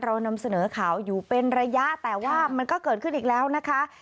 เรานำเสนอข่าวอยู่เป็นระยะแต่ว่ามันก็เกิดขึ้นอีกแล้วนะคะ